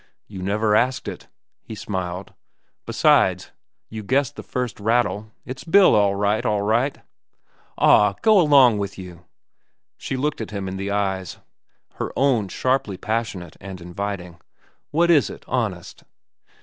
"You never asked it," he smiled. "Besides, you guessed the first rattle. It's Bill, all right, all right." "Aw, go 'long with you." She looked him in the eyes, her own sharply passionate and inviting. "What is it, honest?"